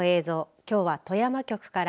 きょうは富山局から。